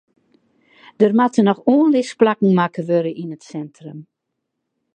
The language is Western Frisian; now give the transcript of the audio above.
Der moatte noch oanlisplakken makke wurde yn it sintrum.